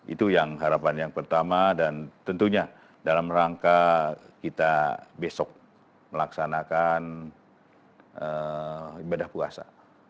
itu yang harapan yang pertama dan tentunya dalam rangka kita besok melaksanakan ibadah puasa